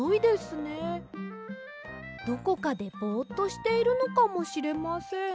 どこかでボっとしているのかもしれません。